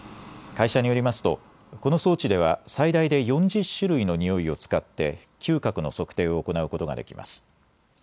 会社によりますとこの装置では最大で４０種類のにおいを使って嗅覚の測定を行うことができます。